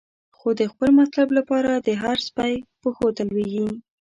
خو د خپل مطلب لپاره، د هر سپی پښو ته لویږی